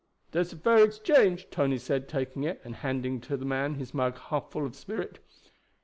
"Dat's a fair exchange," Tony said, taking it, and handing to the man his mug half full of spirit.